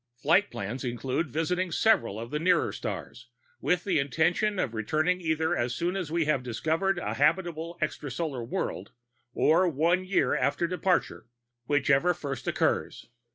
_ _Flight plans include visiting several of the nearer stars, with the intention of returning either as soon as we have discovered a habitable extrasolar world, or one year after departure, whichever first occurs.